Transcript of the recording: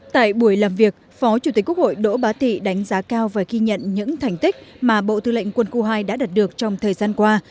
tại buổi làm việc phó chủ tịch quốc hội đỗ bá tị đánh giá cao và ghi nhận những thành tích mà bộ tư lệnh quân khu hai đã đạt được trong thời gian qua